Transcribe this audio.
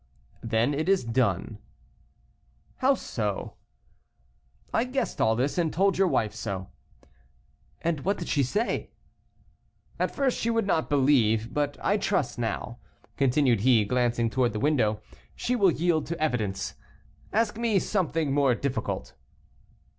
"Then it is done." "How so?" "I guessed all this, and told your wife so." "And what did she say?" "At first she would not believe; but I trust now," continued he, glancing towards the window, "she will yield to evidence. Ask me something more difficult."